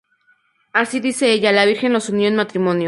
Así, dice ella, la Virgen los unió en matrimonio.